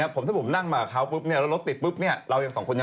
ผมจะผมนั่งมากับเขาปุ๊บเนี่ย